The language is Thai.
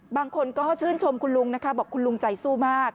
บางคนก็ชื่นชมคุณลุงนะคะบอกคุณลุงใจสู้มาก